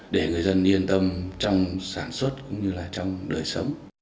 để người dân yên tâm trong sản xuất cũng như là trong đời sống